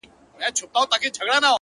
ژړا مي وژني د ژړا اوبـو تـه اور اچـوي ـ